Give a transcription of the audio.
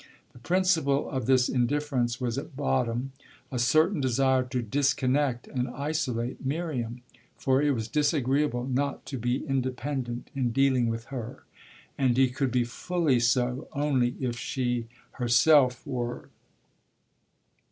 The principle of this indifference was at bottom a certain desire to disconnect and isolate Miriam; for it was disagreeable not to be independent in dealing with her, and he could be fully so only if she herself were.